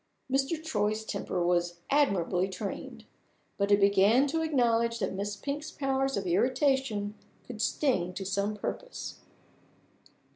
Mr. Troy's temper was admirably trained. But it began to acknowledge that Miss Pink's powers of irritation could sting to some purpose.